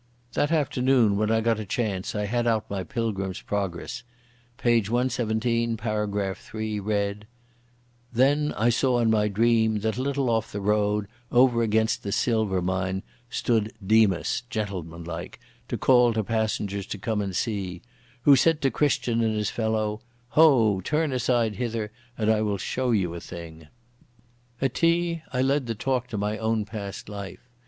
That afternoon, when I got a chance, I had out my Pilgrim's Progress. Page 117, paragraph 3, read: "_Then I saw in my dream, that a little off the road, over against the Silver mine, stood Demas (gentlemanlike) to call to passengers to come and see: who said to Christian and his fellow, Ho, turn aside hither and I will show you a thing._ At tea I led the talk to my own past life.